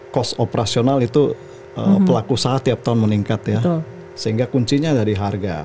cost operasional itu pelaku usaha tiap tahun meningkat ya sehingga kuncinya dari harga